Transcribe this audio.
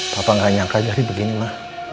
papa gak nyangka jadi begini ma